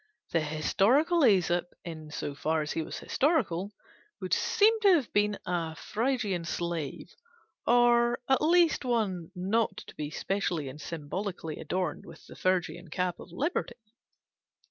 The historical Æsop, in so far as he was historical, would seem to have been a Phrygian slave, or at least one not to be specially and symbolically adorned with the Phrygian cap of liberty.